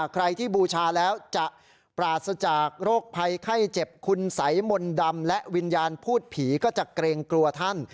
ใครที่บูชาแล้วจะปราศจากโรคภัยไข้เจ็บคุณสัยมนต์ดำและวิญญาณพูดผีก็จะเกรงกลัวท่าน